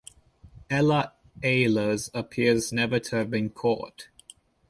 Ella Ehlers appears never to have been caught.